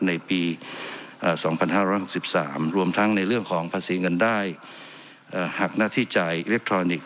ในปี๒๕๖๓รวมทั้งในเรื่องของภาษีเงินได้หักหน้าที่จ่ายอิเล็กทรอนิกส